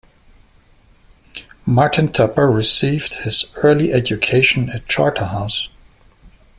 Martin Tupper received his early education at Charterhouse.